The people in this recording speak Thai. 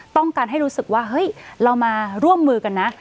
ต้องการให้รู้สึกว่าเฮ้ยเรามาร่วมมือกันนะ